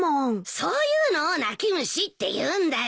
そういうのを泣き虫って言うんだよ。